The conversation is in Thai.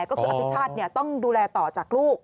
ก็คืออภิชาติต้องดูแลต่อจากลูก